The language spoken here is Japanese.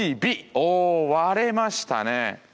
おお割れましたね。